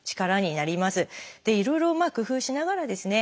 いろいろ工夫しながらですね